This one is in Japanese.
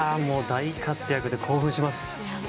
大活躍で興奮します。